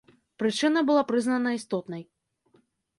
Прычына была прызнана істотнай.